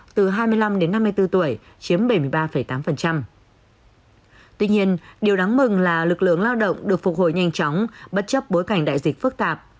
tuy nhiên điều đáng mừng là lực lượng lao động được phục hồi nhanh chóng bất chấp bối cảnh đại dịch phức tạp